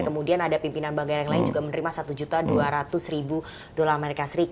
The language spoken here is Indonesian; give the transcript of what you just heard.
kemudian ada pimpinan bangga yang lain juga menerima rp satu dua ratus dolar as